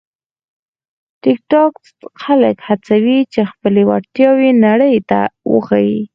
ټیکټاک خلک هڅوي چې خپلې وړتیاوې نړۍ ته وښيي.